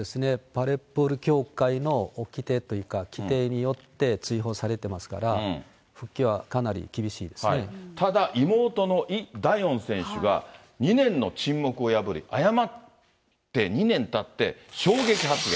バレーボール協会のおきてというか規定によって追放されてますかただ、妹のイ・ダヨン選手が２年の沈黙を破り、謝って２年たって、衝撃発言。